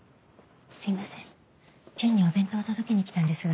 すいません順にお弁当を届けに来たんですが。